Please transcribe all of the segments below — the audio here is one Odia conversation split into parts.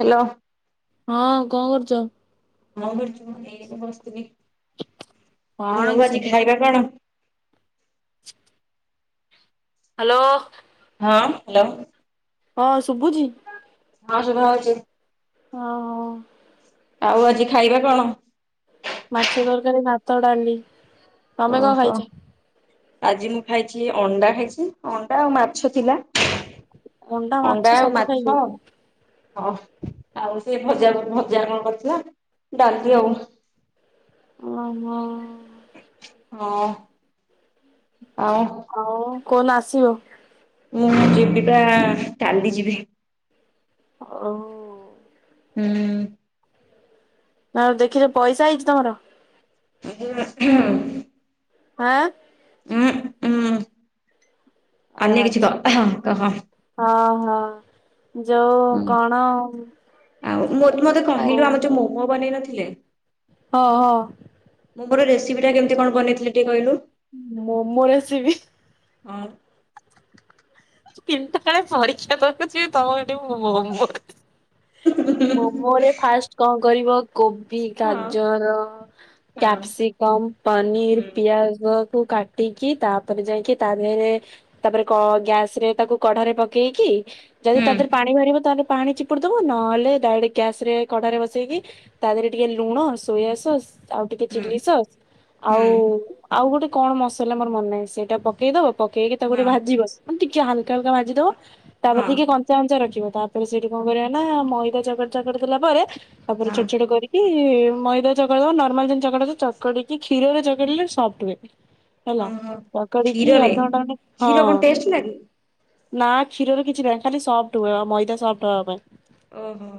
ହାଲୋ। ହଁ କଣ କରୁଛ? ହଁ କରୁଚୁ ଏଇଠି ବସିଥିଲି। କଣ ଆଉ କି ଆଜି ଶୁଭୁ ଖାଇବା କଣ? [inaudible] ହାଲୋ। ହଁ ହାଲୋ। ହଁ ଶୁଭୁଛି ହଁ ଶୁଭା ହଉଛି। ଓହୋ। ଆଉ ଆଜି ଖାଇବା କଣ? ମାଛ ତରକାରୀ ଭାତ ଡାଲି। ତମେ କଣ ଓହୋ। ଖାଇଛ? ଆଜି ମୁଁ ଖାଇଥିଲି ଅଣ୍ଡା ଖାଇଛି ଅଣ୍ଡା ଆଉ ମାଛ ଥିଲା। ମାଛ ଅଣ୍ଡା ଆଉ ସବୁ ଖାଇ ମାଛ। ଦେଇଛି ହଁ ଆଉ ସେ ଭଜା ଭଜା କଣ କରିଥିଲା ଡାଲି ଆଉ। ଓ ହୋ। ହଁ ଆଉ ହଉ କୋଉଁନ ଆସିବ? ମୁଁ ଯିବି ପା କାଲି ଯିବି। ଅଓ। ହୁଁ। ଆଉ ଦେଖିଲେ ପଇସା ଆଇଚି ତମର? [inaudible] ହୁଁ ଆଁ। ଉଁ ଉଁ ଓ ଅନ୍ୟ କିଛି ଆଚ୍ଛା। କହ [inaudible] ହଁ ହଁ ଯୋଉ ହୁଁ କଣ ଆଉ ପୁଅ ବନେଇ ନଥିଲେ? ହଁ ହଁ। ମୁଁ ମୋର ରେସିପିଟା କେମତି କଣ ବନେଇଥିଲି ଟିକେ କହିଲୁ? ମୋମୋ ରେସିପି। ହଁ। କିନ୍ତୁ କାଳେ ପରୀକ୍ଷା ତୋର କୁଚି ତମ ଏଠି ମୋମୋ ଫୋମୋ [unintelligible] ମୋମୋ ରେ ଫାଷ୍ଟ କଣ କରିବ କୋବି, ହଁ ଗାଜର, ହଁ କ୍ୟାପ୍ସିକମ୍, ପନିର, ହୁଁ ପିଆଜ କୁ କାଟିକି ତାପରେ ଯାଇକି ତା ଦେହରେ ତାପରେ କ ଗ୍ୟାସ ସ୍ରେ ତାକୁ କଢାରେ ପକେଇକି ଯଦି ହୁଁ ତା ଦେହରେ ପାଣି ବାହାରିବ ତାହେଲେ ପାଣି ଚିପୁଡି ଦବ ନହେଲେ ଡାଇରେକ୍ଟ ଗ୍ୟାସ ରେ କଡାରେ ବସେଇକି ତା ଦେହରେ ଟିକେ ଲୁଣ ସୋୟା ସସ୍ ଆଉ ଟିକେ ହୁଁ ଚିଲି ସସ୍ ହୁଁ ଆଉ ଆଉ ଗୋଟେ କଣ ମସଲା ମୋର ମନେ ନାହିଁ ସେଇଟା ପକେଇ ଦବ ପକେଇକି ତାକୁ ଗୋଟେ ହଁ ଭାଜିବ ମାନେ ଟିକେ ହାଲକା ହାଲକା ଭାଜି ଦବ ତାପରେ ହଁ ଟିକେ କ ଚାମଚା ରଖିବ ତାପରେ ସେଇଠି କଣ କରିବା ନା ମଇଦା ଚାକଟ ଚାକଟ ଦେଲା ପରେ ତାପରେ ହଁ ଛୋଟ ଛୋଟ କରି କି ମଇଦା ଚକଟ ଦବ ନର୍ମାଲ ଯେନ୍ତି ଚକଟ ଚକିକି କ୍ଷୀରରେ ଚକଟିଲେ ସଫ୍ଟ ହୁଏ। ହେଲା ଓହୋ ଚକଡିକି ଅଧଘଣ୍ଟେ ଘଣ୍ଟେ ହଁ ଦେଖିନା କି। ନା କ୍ଷୀରରେ କିଛି ନାହିଁ ଖାଲି ସଫ୍ଟ ହୁଏ ମଇଦା ସଫ୍ଟ ହବା ପାଇଁ। ଓହୋ।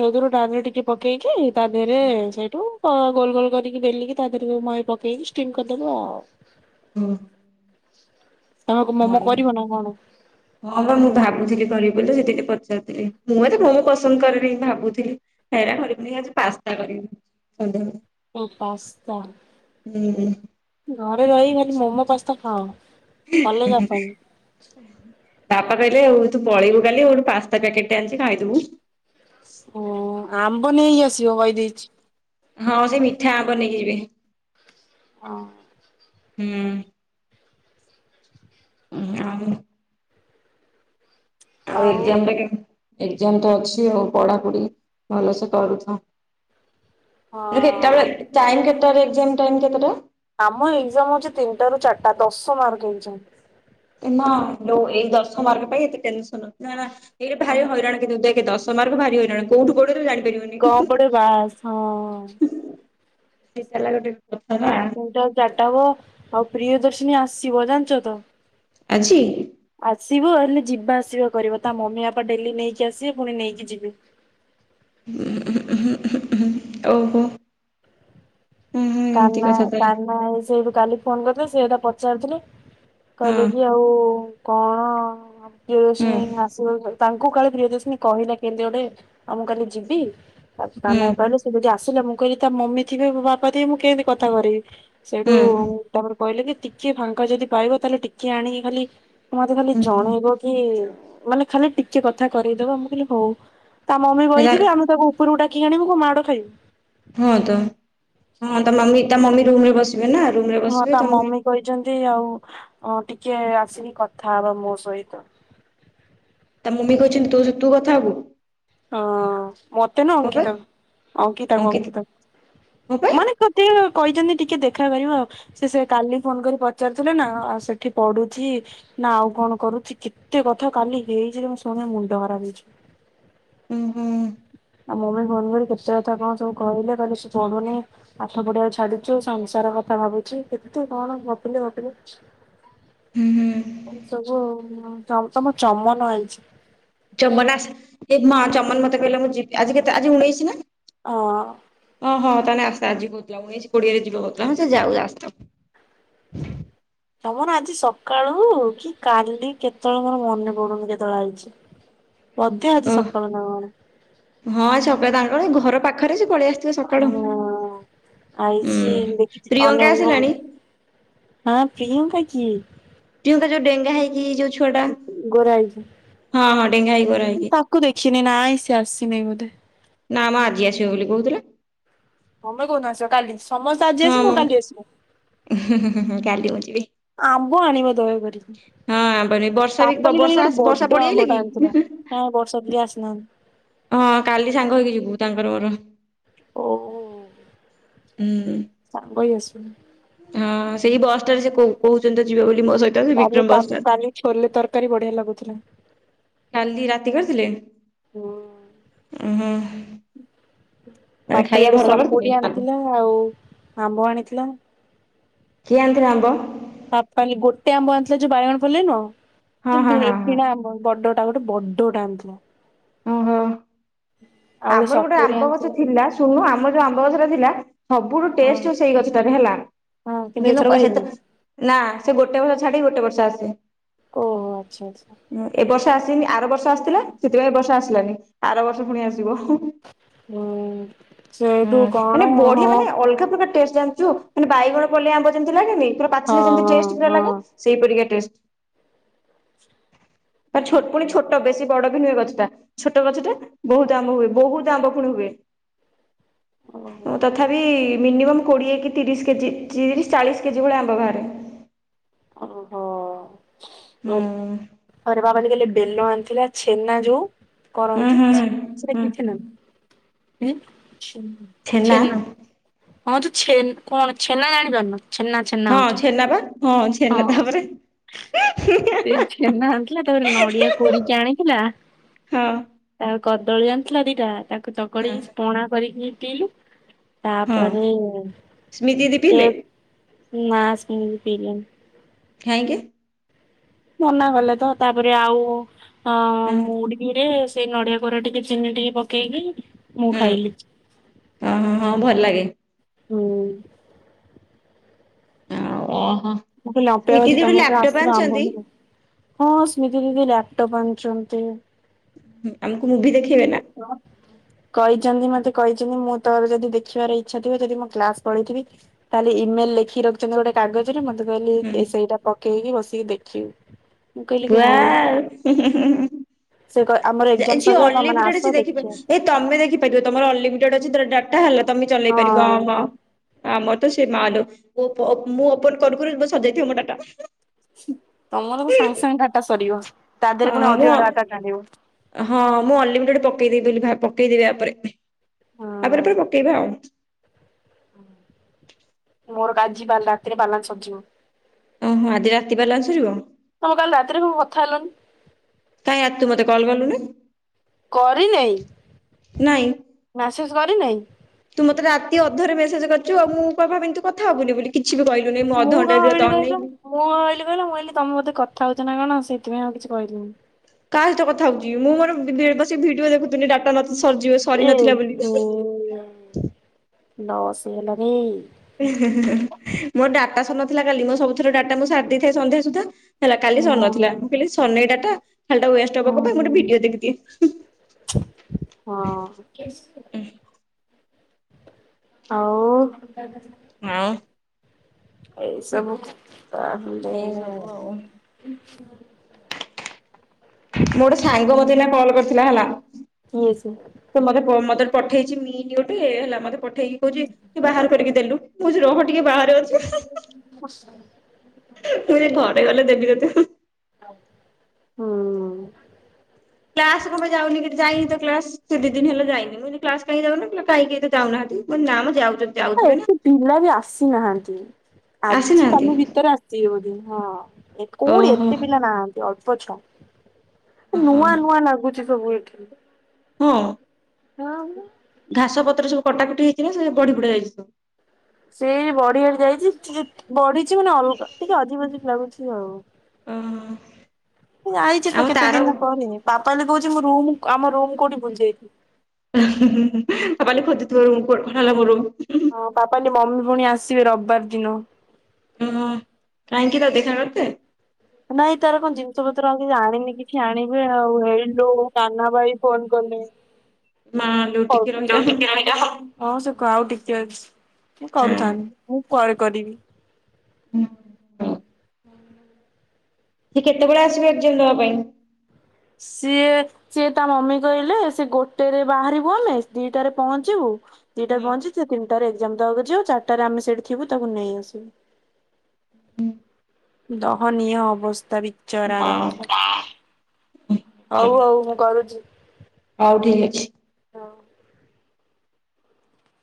ସେଦୁରୁ ଡାଲି ଟିକେ ପକେଇକି ତା ଦେହରେ ସେଇଠୁ ହଁ ଗୋଲ ଗୋଲ କରିକି ବେଲିକି ତା ଦେହରେ ମଇଁ ପକେଇକି ଷ୍ଟିମ କରିଦେବ ଆଉ ହୁଁ। ତମେ ମୋମୋ କରିବ ନା କଣ? ହଁ ବା ମୁଁ ଭାବୁଥିଲି କରିବି ବୋଲି ସେଠି ଟିକେ ପଚାରିଦେଲି ମୁଁ ଏତେ ମୋମୋ ପସନ୍ଦ କରେନି ଭାବୁଥିଲି ହେଇରା କରିବୁନି ଆଜି ପାସ୍ତା କରିବି। ଓ ସନ୍ଧ୍ୟାବେଳେ ପାସ୍ତା ହୁଁ ହୁଁ। ଘରେ ରହି ଖାଲି ମୋମୋ ପାସ୍ତା ଖାଅ। ଉଁ କଲେଜ ହୁଁ ହୁଁ। ଆସନି। ବାପା କହିଲେ ଆଉ ତୁ ପଳେଇବୁ କାଲି ଗୋଟେ ପାସ୍ତା ପ୍ୟାକେଟ୍ ଟେ ଆଣିଛି ଖାଇଦବୁ। ଓହ ଆମ୍ବ ନେଇ ଆସିବ କହି ଦେଇଛି। ହଁ ସେହି ମିଠା ଆମ୍ବ ନେଇକି ଯିବି। ହଁ। ହୁଁ। [unintelligible] ଆଉ ଏକ୍ସମ୍ ହଁ କେତ ଏକ୍ସମ୍ ଅଛି ଆଉ ପଢାପଢି ଭଲସେ କରୁଥାଅ। କେତଟା ବେଳେ ଟାଇମ୍ କେତେ ବେଳେ ଏକ୍ସାମ ଟାଇମ କେତେଟା? ଆମ ଏକ୍ଜାମ ହଉଛି ତିନିଟାରୁ ଚାରିଟା ଦଶ ମାର୍କ ଏକ୍ଜାମ। ନା ଯୋଉ ଏଇ ଦଶ ମାର୍କ ପାଇଁ ଏତେ ଟେନସନ ନା ନା ଏଇଟା ଭାରି ହଇରାଣ ଦେଖେ ଦଶ ମାର୍କ ଭାରିହଇରାଣ କୋଉଠୁ ପଡିବ ତୁ ଜାଣିପାରିବୁ କଣ ପଡେ ବାସ ହଁ। ସେଇଟା ହେଲା ଗୋଟେ କଥା ନା ଟ ଚଟବ ଆଉ ପ୍ରିୟ ଦର୍ଶିନୀ ଆସିବ ଜାଣିଛ ତ। ଆଜି। ଆସିବ ହେଲେ ଯିବା ଆସିବା କରିବ ତା ମମି ବାପା ଡେଲି ନେଇକି ଆସିବେ ପୁଣି ନେଇକି ଯିବେ। ଉ ଓହୋ [unintelligible] ହୁଁ ହୁଁ ଏମିତି କାନା କଥା ତାହେଲେ କାନା ସେଇଠୁ କାଲି ଫୋନ କରିଥିଲେ ସେଟା ପଚାରୁଥିଲି। କହିଲେ କି ହଁ ଆଉ କଣ? ହୁଁ ପ୍ରିୟଦର୍ଶନୀ ଆସିବ ତାଙ୍କୁ କାଳେ ପ୍ରିୟଦର୍ଶନି କହିଲା କେମିତି ଗୋଟେ ଆ ମୁଁ କାଲି ଯିବି। ସେ ହୁଁ। କହିଲା ମୁଁ କହିଲି ତା ମମି ଥିବେ ବାପାଥିବେ ମୁଁ କେମିତି କଥା କରିବି। ସେଇଠୁ ହୁଁ ତାପରେ କହିଲେ କି ଟିକେ ଫାଙ୍କା ଯଦି ପାଇବ ତାହେଲେ ଟିକିଏ ଆଣିକି ଖାଲି ମତେ ଖାଲି ହୁଁ ଜଣେଇବ କି ମାନେ ଖାଲି ଟିକେ କଥା କଦବ ମୁଁ ଖାିଲଲି ହଉ। ତା ମମି ରା କହିଥିବି ଆମେ ତାକୁ ଉପରକୁ ଡାକି ଆଣିବୁ କୋ ମାଡ ଖାଇବୁ। ହଁ ତ ହଁ ତା ମମି ରୁମରେ ବସିବେ ନା ରୁମ୍ ହଁ ତା ମମି କହିଛନ୍ତି ଆଉ ଟିକେ ଆସିବି କଥା ହବା ମୋ ସହିତ। ତା ମମି କହିଛନ୍ତି ତୋ ତୁ କଥା ହବୁ। ହଁ ମତେ ନା କଣ ପାଇଁ ଅଙ୍କିତା ଅଙ୍କିତା କ ଅଙ୍କିତ ଅଙ୍କିତା କଣ ପାଇଁ ମାନେ ତତେ କହିଛନ୍ତି ଟିକେ ଦେଖା କରିବ ଆଉ। ସେ ସେ କାଲି ଫୋନ କରି ପଚାରୁଥିଲେ ନା ଆଉ ସେଠି ପଢୁଛି। ନା ଆଉ କଣ କରୁଛି କେତେ କଥା କାଲି ହେଇଛି ଯେ ମୁଁ ଶୁଣ ମୁଣ୍ଡ ହରାପ ହେଇଛି। ହୁଁ ହୁଁ। ଆଉ ମମି ଫୋନ କରି କେତେ କଥା କଣ ସବୁ କହିଲେ କହିଲ ସେ ପଢୁନି। ପାଠ ପଢିଆ ଛାଡୁଛୁ ସଂସାର କଥା ଭାବୁଛି କେମୁ କଣ ଭପିଲି ଗପିଲି। ହୁଁ ହୁଁ ଏ ସବୁ ତମ ଚମନ ଆଇଛି। ଚମନ ଆସ ଏ ମା ଚମନ ମତେ କହିଲେ ମୁଁ ଯିବି ଆଜି କେତେ ଆଜି ଉଣେଇଶି ନା। ହଁ। ହଁ ହଁ ତାହେ ଆ ଆଜି ହଉଥିଲା ଉଣେଇଶ କୋଡିଏରେ ଯିବା କଉଥିଲା ହଁ ସେ ଯାଉ ଆସ ତମର ଆଜି ସକାଳୁ କି କାଲି କେତେବେଳେ ମୋର ମନେ ପଡୁନି କେତେବେଳେ ଆଇଛି। [inaudible] ବଧେ ଓ ଆଜି ସକାଳ ନ କଣ। ହଁ ଛକ ତାଙ୍କର କଣ ଘର ପାଖରେ ସେ ପଳେଇଆସ ହଁ ଆଇଛି ଦେଖିଛି ପ୍ରିୟଙ୍କା ଅନେଇ ଅନ ଆସିଲାଣି ହଁ ପ୍ରିୟଙ୍କା କି? ପ୍ରିୟଙ୍କା ଯଉ ଡେଙ୍ଗା ହେଇକି ଯଉ ଗୋରା ହଁ ଡେଙ୍ଗା ହେଇକି ଗୋରା ହେଇକି ହେଇକି ତାକୁ ଦେଖିନି ନାଁ ସେ ଆସିନି ବୋଧେ। ନା ଆମ ଆଜି ଆସିବେ ବୋଲି କହୁଥିଲେ। ତମେ କହୁ ଆସ କାଲି ସମସ୍ତେ ଆଜି ଆସିବ କାଲି ଆସିବ। ହଁ ହୁ ହଁ କାଲି ମୁଁ ଜି। ଆମ୍ବ ଆଣିବ ଦୟାକରିକି ହଁ ଆମ୍ବାନୀ ବର୍ଷା ବି ପାପାଲି କାଲି ବର୍ଷା ଗୋଟେ ବର୍ଷା ବଡ ପଳେଇଆଇଲା ଆମ୍ବ ଟା କି? ଆଣିଥିଲା। ହଁ ବର୍ଷା ପ୍ରିୟା ଆସି ନାହାନ୍ତି। ହଁ କାଲି ସାଙ୍ଗ ହେଇକି ଯିବୁ ତାଙ୍କର ମୋର। ଓ ହୁଁ। ସାଙ୍ଗ ହେଇ ଆସିଲୁ। ହଁ ସେଇ ବସ ଟା ରେ ସେ କହୁ କହୁଛନ୍ତି ତ ଯିବେ ବୋଲି ମୋ ସହିତ। ସେ କାଲି ବିକ୍ରମ ତା ବସଟା। କାଲି ଛୋଲେ ତରକାରୀ ବଢିଆ ଲାଗୁଥିଲା। କାଲି ରାତି କରି ଥିଲେ ହୁଁ। ଉଁ ହୁଁ ‌ ମାନେ ପାପାଲି ଗୋଟେ ଖାଇବା ଭଲ ସପୁରୀ କରିଥିଲେ। ଆଣିଥିଲା ଆଉ ଆମ୍ବ ଆଣିଥିଲା। କିଏ ଆଣିଥିଲା ଆମ୍ବ। ପପାଲୀ ଗୋଟେ ଆମ୍ବ ଆଣିଥିଲା ଯୋଉ ବାଇଗଣ ପଲେଇ ନୁଅ ହଁ ଯୋଉ ହଁ ମିଳେ ହଁ ହଁ କିଣା ଆମ୍ବ। ବଡଟା ଗୋଟେ ବଡଟା ଆଣିଥିଲା। ଓ ହୋ ଆଉ ଆମର ଗୋଟେ ସପୁରୀ ଆମ୍ବ ଗଛ ଆଣିଥିଲା ଥିଲା ଶୁଣୁନୁ ଆମର ଯୋଉ ଆମ୍ବ ଗଛ ଟା ଥିଲା। ସବୁଠୁ ହଁ ଟେଷ୍ଟ ସେଇ ଗଛଟାରେ ହେଲା ହଁ ଏଥରକ କିନ୍ତୁ ହେଇନି ସେତ ନା ସେ ଗୋଟେ ବର୍ଷ ଛାଡିିକି ଗୋଟେ ବର୍ଷ ଆସେ। ଓହୋ ଆଛା। ଏଁ ଏ ବର୍ଷ ଆସିନି ଆର ବର୍ଷ ଆସିଥିଲା ସେଥିପାଇଁ ଏ ବର୍ଷ ଆସିଲାନି ଆର ବର୍ଷ ପୁଣି ଆସିବ। ଥି ବ ହୁଁ ହୁଁ ହୁଁ ହୁଁ ସେଇଠୁ କଣ ମାନେ ହଁ ହଁ ବଢିଆ ହଁ ମାନେ ଅଲଗା ପ୍ରକାର। ଟେଷ୍ଟ ଜାଣିଛୁ ମାନେ ବାଇଗଣ ପଲେଇ ଆମ୍ବ ଯେମିତି ଲାଗେନି ପୁରା ପାିଚିଲେ ଯେମତି ଟେଷ୍ଟ ପୁରା ଲାଗେ। ହଁ ସେଇ ପରିକା ଟେଷ୍ଟ। ପା ଛୋଟ ପୁଣି ଛୋଟ ବେଶୀ ବଡ ବି ନୁହେଁ ଗଛଟା ଛୋଟ ଗଛଟା ବହୁତ। ଆମ୍ବ ହୁଏ ବହୁତ ଆମ୍ବ ପୁଣି ହୁଏ ହୁଁ ଓହୋ ତଥା ବି ମିନିମମ୍ କୋଡ଼ିଏ କି ତିରିଶ କେଜି ତିରିଶ ଚାଳିଶ କେଜି ଭଳିଆ ଆମ୍ବ ବାହାରେ। ଓ ହୋ। ହୁଁ ଆରେ ପାପାଲି କାଲି ବେଲ ଆଣିଥିଲା ଛେନା ଯୋଉ। ହୁଁ କରନ୍ତି ହୁଁ ଛେ ସେଇଟା ହୁଁ ପି ଥେନ ଉଁ ଛେନା। ଛେନା ହଁ ତୁ ଛେନା କଣ ଛେନା ଜାଣିପାରୁନ ଛେନା। ଛେନା ହଁ ହଉଛ ଛେନା ବା ହଁ ଛେନା ତାପରେ। ସେ ଛେନା ଆଣିଥିଲା ତାପରେ ନଡିଆ କୋରିକି ଆଣିଥିଲା। ହଁ ହଁ ଆଉ କଦଳୀ ଆଣିଥିଲା ଦିଟା ତାକୁ ଚକଡି କି ପଣା କରିକି ପିଇଲୁ। ହଁ ତାପରେ ସ୍ମିତି ଦିଦି ପିଇଲେ ସେଇଆକୁ ନା ସୁମି ଦି ପିଇଲେନି। କାଇଁକି। ମନା କଲେ ତ ତାପରେ ଆଉ ଅଁ ହୁଁ ମୁଢିରେ। ସେଇ ନଡିଆ କୋରା ଟିକେ ଚିନି ଟିକେ ପକେଇକି। ମୁଁ ହୁଁ ଖାଇଲି ଓହୋ ହଁ ଭଲ ଲାଗେ ହୁଁ। ଆଉ ଆ ହ। ମୁଁ ଖାଲି ଅପେକ୍ଷା କରିଛି ତମେ କୋଉ ଆସିବ ଆମ୍ବ ଭଲ ହଁ ସ୍ମିତି ଦିଦି ଲାପଟପ୍ ଆଣିଛନ୍ତି। ହୁଁ ଆମକୁ ମୁଭି ଦେଖେଇବେ ନା। କଇଛନ୍ତି ମତେ କଇଚିନ୍ତି ମୁଁ ତୋର ଯଦି ଦେଖିବାର ଇଚ୍ଛା ଥିବ ଯଦି ମୁଁ କ୍ଲାସ ପଳେଇଥିବି। ତାହେଲେ ଇମେଲ ଲେଖି ରଖିଛନ୍ତି ଗୋଟେ କାଗଜରେ ମତେ କହଲେ ସେଇଟା ପକେଇକି ବସିକି ଦେଖିବୁ। ମୁଁ କହିଲି କି ହ ଉ ୱାଓ ସେ କ ଆମର ଏକ୍ଜାମ ଯିଏ ସରିଯାଉ ତମେ ମାନେ ଅନଲିମିଟେଡ ଅଛି ଆସ ଦେଖିବେ ଦେଖିବ। ଏ ତମେ ଦେଖିପାରିବ ତମର ଅନଲିମିଟେଡ ଅଛି ସେତେରେ ଡାଟା ହେଲା ତମେ ଚଲେଇ ପାରିବ। ହଁ। ଆମର ତ ସେ ମା ଲୋ ମୁଁ ଓପ ମୁଁ ଓପନ କରୁ କରୁ ସରି ଯାଇଥିବା ମୋ ଡାଟା। ହୁଁ ତମର ତ ସାଙ୍ଗେ ସାଙ୍ଗେ ଡାଟା ସରିବ ତା ଦେହରେ ପୁଣି ହଁ ମୁଁ ଅଧିକ ଡାଟା ଟାଣିବ। ହଁ ମୁଁ ଅନଲିମିଟେଡ଼ ପକେଇଦବି ବୋଲି ଭା ପକେଇଦବି ୟା ପରେ ଆ‌ ହଁ। ପରେ ପରେ ପକେଇବା ଆଉ। ମୋର କା ଆଜି ବା ରାତିରେ ବାଲାନ୍ସ ସରିଯିବ। ଉଁ ହୁଁ ଆଜି ରାତି ବାଲାନ୍ସ ସରିବ। ତମେ କାଲି ରାତିରେ କଁ କଥା ହେଲନି। କାଇଁ ଆ ତୁ ମୋତେ କଲ୍ କଲୁନି। କରି ନେଇ ନାଇଁ। ମସେଜ କରି ନେଇ। ତୁ ମତେ ରାତି ଅଧରେ ମେସେଜ କରୁଛୁ ମୁଁ ପା ଭାବିଲି ତୁ କଥା ହେବୁନି ବୋଲି। କିଛି ବି କହିଲୁନି ମୁଁ କଣ ଅଧଘଣ୍ଟାରେ ଭାବିଲି ତତେ କହିଲ ଅନେଇଲି। ମୁଁ ଭାବିଲି କହିଲ ମୁଁ କହିଲି ତମ ବୋଧେ କଥାଉଛି ନା କଣ ସେଇଥି ପାଇଁ ଆଉ କିଛି କହିଲିନି। କାହା ସହିତ କଥା ହଉଛି ମୁଁ ମୋର ବସି ଭିଡିଓ ଦେଖୁଥିଲି ଡାଟା ସରିଯିବେ ସରି ନଥିଲା ବୋଲି। ଲସ୍ ହେଇଗଲା ରେ। ମୋର ଡାଟା ସରି ନଥିଲା କାଲି ମୋ ସବୁଥର ଡାଟା ମୁଁ ସାରି ଦେଇଥାଏ ସନ୍ଧ୍ୟା ସୁଦ୍ଧା। ହେଲା କାଲି ସରିନଥିଲା ମୁଁ କହିଲି ସରିନେଇ ଡାଟା ଖାଲିଟା ୱେଷ୍ଟ ହବ କଣ ପାଇଁ ଗୋଟେ ଭିଡିଓ ଦେଖିଦିଏ। ହଁ ଆଉ। ହଁ। ଏଇ ସବୁ ତ‌। ଏଇ ସବୁ ଆଉ। ଆଛା। ମୋର ଗୋଟେ ସାଙ୍ଗ ମତେ ଏଇନା କଲ୍ କରିଥିଲା ହେଲା। କିଏ ସେ। ତ ମତେ ମତ ପଠେଇଛି ମିନ୍ ଗୋଟେ ହେଲା ମତେ ପ। ପଠେଇକି କହୁଛି କି ବାହାର କରିକି ଦେଲୁ କହୁଛି ରହ ଟିକେ ବାହାରେ ଅଛି। ମୁଁ କହିଲି ଘରେ ଗଲେ ଦେବି ତତେ। ହୁଁ। କ୍ଲାସ୍ କଣ ପାଇଁ ଯାଉନି କି ଯାଇନି ତ କ୍ଲାସ୍। ସେ ଦି ଦିନ ହେଲା ଯାଇନି ମୁଁ କ୍ଲାସ୍ କହିଲି ଯାଉନଁ ସେ କହିଲା କାହିଁ ତ କେହି ଯାଉନାହାନ୍ତି ମୁଁ କହିଲି ନା ମ ଯାଉଛନ୍ତି। ଯାଉଥିବେ ନା। ଏତେ ପିଲା ବି ଆସିନାହାନ୍ତି ଆଜି ଆସିନାହାନ୍ତି କାଲି ଭିତରେ। ଭିତରେ ଆସିିବେ ବୋଧେ ହଁ ଏ କୋଉଠି ଓହୋ ଏତେ ପିଲା ନାହାନ୍ତି ଅଳ୍ପ ଛୁଆ। ଓହୋ ନୂଆ ନୂଆ ଲାଗୁଛି ସବୁ ଏଠି। ହଁ। ହଁ ବା। ଘାସ ପତ୍ର ସବୁ କଟାକଟି ହେଇଛି ନା ସେ ବଢି ବୁଢା ଯାଇଛି ସବୁ। ସେଇ ବଢିବାଢି ଯାଇଛି ବଢିଛି ମାନେ ଅଲଗା ଟିକେ ଅଜିବ୍ ଅଜିବ୍ ଲାଗୁଛି ଆଉ। ଓହୋ। ଏ ଆଇଛି ତ ଆଉ କେତେ ତାର ଦିନ ପରେ ପାପାଲି କହୁଛି ମୁଁ ରୁମ୍ ଆମ ରୁମ୍ କୋଉଠି ଭୁଲିଯାଇଛି। ପାପାଲି ଖୋଜୁଥିବ ରୁମ୍ କୁଆଡେ ଗଲା ମୋ ରୁମ୍। ହଁ ପାପାଲି ମମି ପୁଣି ଆସିବେ ରବିବାର ଦିନ। ଓହୋ କାହିଁକି ତାକୁ ଦେଖା କରିତେ। ନାଇଁ ତାର କଣ ଜିନିଷ ପତ୍ର ଆଉ କିଛି ଆଣିନି କିଛି ଆଣିବେ ଆଉ ହେଇଲୋ କାହ୍ନା ଭାଇ ଫୋନ୍ କଲେଣି। [inaudible] ହଉ ଟିକେ ତୁ ରହିଯା ହଁ। ଟିକେ ରହିଥା ମୁଁ। ହଁ ସେ କ ଆଉ ଟିକେ ଅଛି କରୁଥାନ୍ତି ମୁଁ ପରେ କରିବି। ହୁଁ ହ। ସେ କେତେବେଳେ ଆସିବେ ଏକ୍ଜାମ୍ ଦବା ପାଇଁ। ସିଏ। ସିଏ ତା ମମି କହିଲେ ସେ ଗୋଟେରେ ବାହାରିବୁ ଆମେ ଦିଟାରେ ପହଞ୍ଚିବୁ। ଦିଇଟାରେ ହୁଁ। ପହଞ୍ଚି ସେ ତିନିଟାରେ ଏକ୍ଜାମ ଦବାକୁ ଯିବ ଚାରିଟାରେ ଆମେ ସେଠି ଥିବୁ ତାକୁ ନେଇ ଆସିବୁ। ହୁଁ। ଦହନୀୟ ଅବସ୍ଥା ମା, ବିଚରାର। ହଉ ହଉ ମୁଁ କରୁଛି। ହଉ ଠିକ୍ ଅଛି। ହଉ।